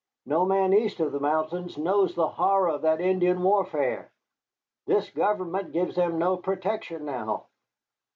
No man east of the mountains knows the horror of that Indian warfare. This government gives them no protection now.